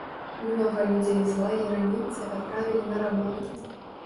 Многа людзей з лагера немцы адправілі на работу.